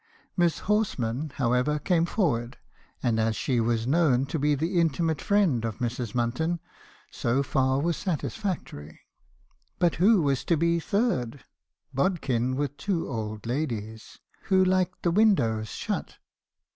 Miss Horsman , however, came forward , and as she was known to be the intimate friend of Mrs. Munton, so far was satisfactory. But who was to be third? — bodkin with two old ladies, who liked the windows shut?